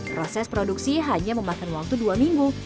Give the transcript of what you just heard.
proses produksi hanya memakan waktu dua minggu